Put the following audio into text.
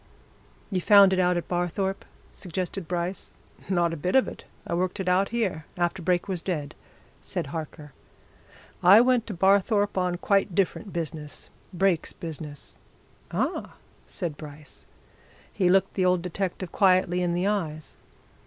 "You found it out at Barthorpe?" suggested Bryce. "Not a bit of it; I worked it out here after Brake was dead," said Harker. "I went to Barthorpe on quite different business Brake's business." "Ah!" said Bryce. He looked the old detective quietly in the eyes.